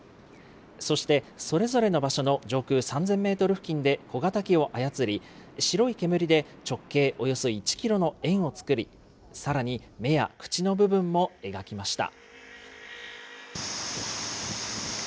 そしてそれぞれの場所の上空３０００メートル付近で小型機を操り、白い煙で直径およそ１キロの円を作り、さらに目や口の部分も描きました。